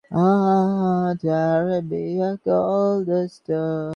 দ্বিতীয়ত পূর্বোক্ত দ্বিতীয় তত্ত্বের আলোকে আমরা আরও কঠিন ও দুর্বোধ্য তত্ত্বে উপনীত হই।